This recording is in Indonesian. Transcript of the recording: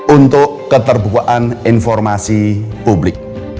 untuk keterbukaan informasi publik